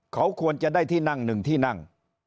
เขาควรจะได้ที่นั่งหนึ่งที่นั่ง